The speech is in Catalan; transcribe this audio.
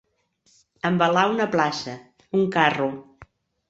Envelar una plaça, un carro.